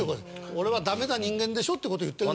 俺はダメな人間でしょって事を言ってる。